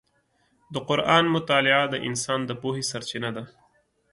د قرآن مطالعه د انسان د پوهې سرچینه ده.